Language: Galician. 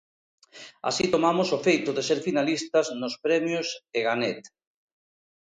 Así tomamos o feito de ser finalistas nos premios Eganet.